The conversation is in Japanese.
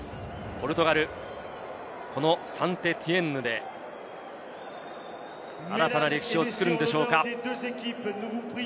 ポルトガル、このサンテティエンヌで新たな歴史を作るのでしょうか。